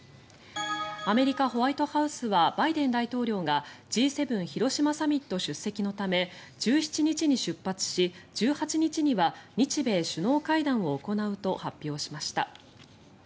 アメリカ・ホワイトハウスはバイデン大統領がＧ７広島サミット出席のため１７日に出発し１８日には日米首脳会談を行うと発表しました。